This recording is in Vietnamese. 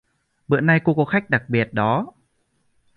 Bữa nay cô có khách đặc biệt đó